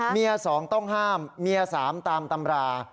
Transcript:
เมียสองต้องห้ามเมียสามตามตำรา